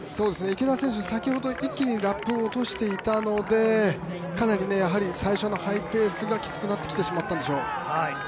池田選手、先ほど一気にラップを落としていたのでかなり最初のハイペースがキツくなってしまったんでしょう。